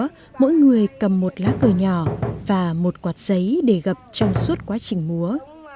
trong đó mỗi người cầm một lá cờ nhỏ và một quạt giấy để gặp trong suốt quá trình múa